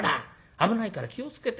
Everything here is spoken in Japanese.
危ないから気を付けて。